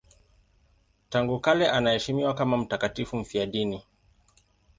Tangu kale anaheshimiwa kama mtakatifu mfiadini.